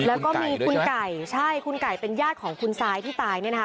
แล้วก็มีคุณไก่ใช่คุณไก่เป็นญาติของคุณซ้ายที่ตายเนี่ยนะคะ